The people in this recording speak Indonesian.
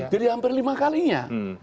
jadi hampir lima kalinya